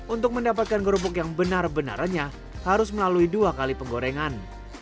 untuk mendapatkan kerupuk yang benar benar renyah harus melalui dua kali penggorengan